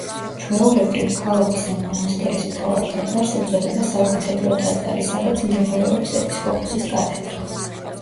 ჩვეულებრივ, ქალაქის ან მონასტერის მთავარ ტაძარს ეწოდება საკათედრო ტაძარი, სადაც მდებარეობს ეპისკოპოსის კათედრა.